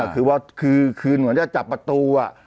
คือว่าคือหนูจะจับประตูอะ